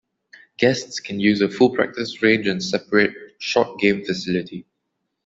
Guests can use a full practice range and separate short-game facility.